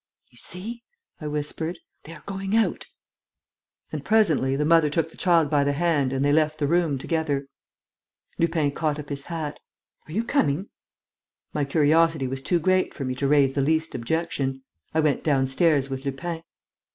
"You see," I whispered, "they are going out." And presently the mother took the child by the hand and they left the room together. Lupin caught up his hat: "Are you coming?" My curiosity was too great for me to raise the least objection. I went downstairs with Lupin.